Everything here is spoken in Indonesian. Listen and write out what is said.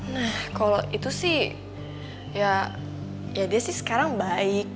nah kalau itu sih ya dia sih sekarang baik